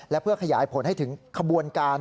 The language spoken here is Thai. และเพื่อขยายผลให้ถึงขบวนการ